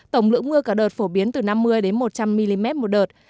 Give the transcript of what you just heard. tổng lượng mưa cả đợt phổ biến từ năm mươi một trăm linh mm một đợt